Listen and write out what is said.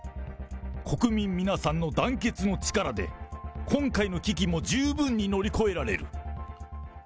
国民皆さんの団結の力で、今回の危機も十分に乗り越えられる。